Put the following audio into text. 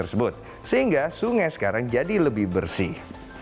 sehingga sungai sekarang jadi lebih bersih